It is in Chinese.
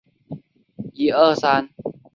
色木槭是无患子科槭属的植物。